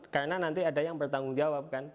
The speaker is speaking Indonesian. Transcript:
karena nanti ada yang bertanggung jawab kan